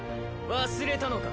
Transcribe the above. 忘れたのか？